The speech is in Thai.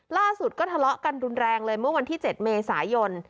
ล่าสุดก็ทะเลาะกันรุนแรงเลยเมื่อวันที่๗เมษายน